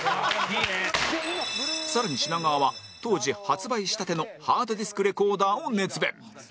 更に品川は当時発売したてのハードディスクレコーダーを熱弁！